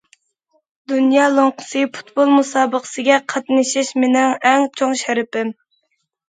دۇنيا لوڭقىسى پۇتبول مۇسابىقىسىگە قاتنىشىش مېنىڭ ئەڭ چوڭ شەرىپىم.